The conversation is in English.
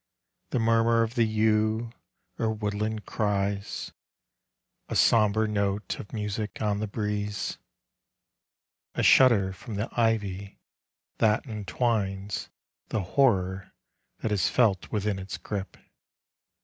— The murmur of the yew, or woodland cries, •nhre note of music on the bre< adder from the ivy that entwii ■ The horror that is frit within its ^rip.